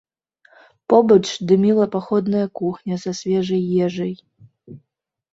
Побач дыміла паходная кухня са свежай ежай.